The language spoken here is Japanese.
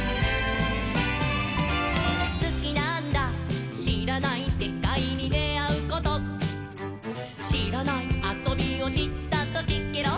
「スキなんだしらないセカイにであうこと」「しらないあそびをしったときケロッ！」